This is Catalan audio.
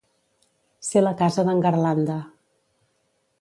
Ser la casa d'en Garlanda.